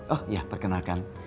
oh iya perkenalkan